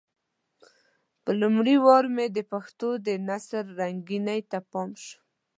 په لومړي وار مې د پښتو د نثر رنګينۍ ته پام شو.